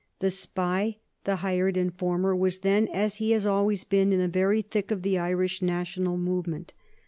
The spy, the hired informer, was then, as he has always been, in the very thick of the Irish national movement.